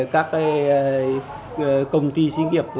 các công ty sinh nghiệp